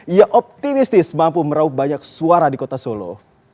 ia optimistis mampu merauh banyak suara di kota solo